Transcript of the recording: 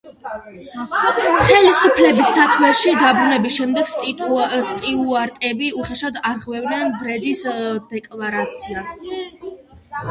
ხელისუფლების სათვეში დაბრუნების შემდეგ სტიუარტები უხეშად არღვევდნენ ბრედის დეკლარაციას.